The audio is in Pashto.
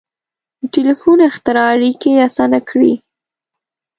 • د ټیلیفون اختراع اړیکې آسانه کړې.